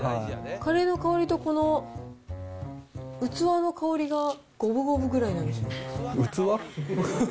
カレーの香りとこの器の香りが、五分五分ぐらいなんですよ。